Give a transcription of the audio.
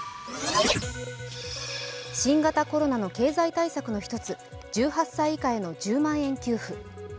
新型コロナの経済対策の一つ、１８歳以下への１０万円給付。